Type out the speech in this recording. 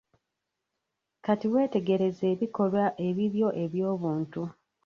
Kati weetegereze ebikolwa ebibyo eby'obuntu.